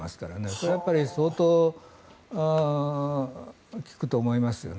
それは相当効くと思いますよね。